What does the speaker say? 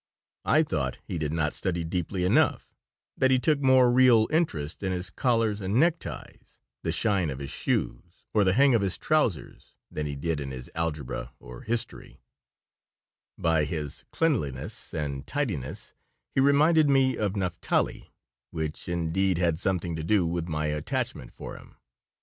I thought he did not study "deeply" enough, that he took more real interest in his collars and neckties, the shine of his shoes, or the hang of his trousers than he did in his algebra or history By his cleanliness and tidiness he reminded me of Naphtali, which, indeed, had something to do with my attachment for him.